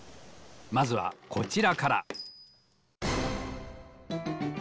まずはこちらから。